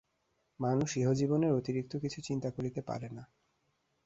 মানুষ ইহজীবনের অতিরিক্ত কিছু চিন্তা করিতে পারে না।